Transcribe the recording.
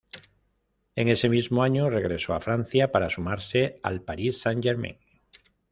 En ese mismo año regresó a Francia para sumarse al Paris Saint-Germain.